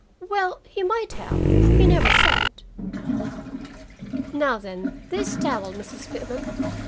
Well, he might have. He never said." "Now then, this towel, Mrs. Pitman.